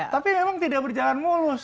tapi memang tidak berjalan mulus